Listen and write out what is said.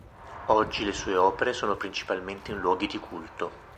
Oggi le sue opere sono principalmente in luoghi di culto.